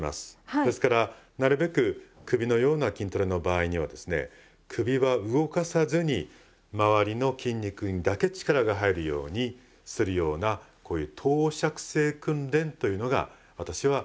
ですからなるべく首のような筋トレの場合にはですね首は動かさずに周りの筋肉にだけ力が入るようにするようなこういう等尺性訓練というのが私はおすすめだと思います。